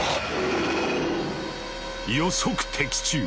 予測的中！